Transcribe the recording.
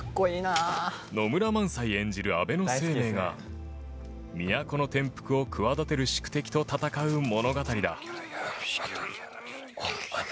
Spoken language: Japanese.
野村萬斎演じる安倍晴明が都の転覆を企てる宿敵と戦う物語だ。